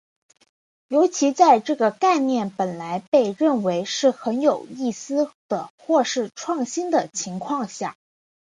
尤其在这个概念本来被认为是很有意思的或是创新的情况下。